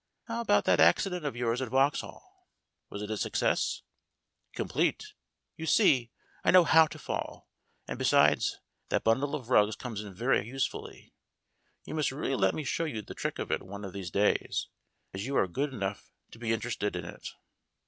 "How about that accident of yours at Vauxhall? Was it a success?" "Complete. You see, I know how to fall; and, be sides, that bundle of rugs comes in very usefully. You must really let me show you the' trick of it one of these days, as you are good enough to be interested in it."